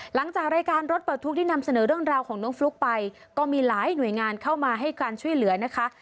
หลังจากรายการรถปลดทุกข์ได้นำเสนอเรื่องราวของน้องฟลุ๊กไปก็มีหลายหน่วยงานเข้ามาให้การช่วยเหลือนะคะ